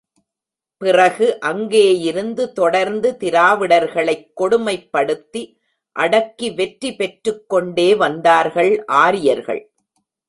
பிறகு, அங்கேயிருந்து தொடர்ந்து திராவிடர்களைக் கொடுமைப்படுத்தி, அடக்கி வெற்றி பெற்றுக் கொண்டே வந்தார்கள் ஆரியர்கள்.